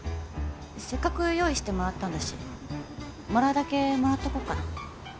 せっかく用意してもらったんだしもらうだけもらっとこうかな。